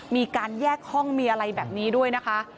มีการแยกห้องมีอะไรแบบนี้ด้วยนะคะ